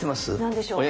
何でしょう？